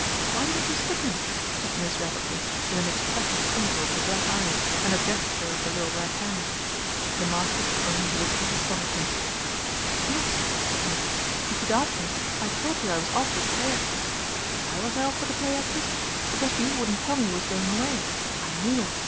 Why didn't you stick him?" said Mliss rapidly, with an expressive twinkle of the black eyes and a gesture of the little red hand. The master could only look his astonishment. "Yes," said Mliss. "If you'd asked me, I'd told you I was off with the play actors. Why was I off with the play actors? Because you wouldn't tell me you was going away. I knew it.